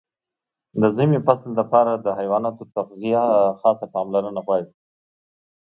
د ژمي فصل لپاره د حیواناتو تغذیه خاصه پاملرنه غواړي.